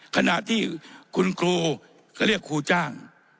ขณะที่คุณครูก็เรียกครูจ้าง